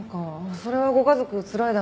それはご家族つらいだろうね。